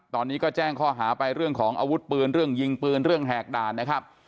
ตอนนี้ก็แจ้งข้อหาไปเรื่องของอาวุธปืนเรื่องยิงปืนเรื่องแหกด่านนะครับ